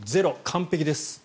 完璧です。